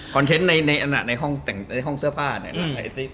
คอนเทนต์ในห้องเสื้อผ้าเนี่ย